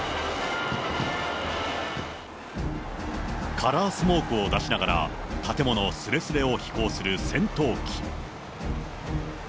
カラースモークを出しながら、建物すれすれを飛行する戦闘機。